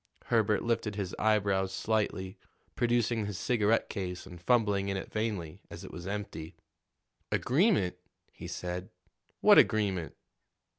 Herbert lifted his eyebrows slightly, producing his cigarette case and fumbling in it vainly, as it was empty. "Agreement?" he said. "What agreement?"